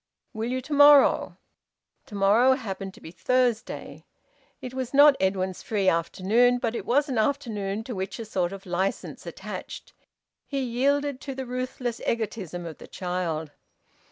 "Will you to morrow?" To morrow happened to be Thursday. It was not Edwin's free afternoon, but it was an afternoon to which a sort of licence attached. He yielded to the ruthless egotism of the child.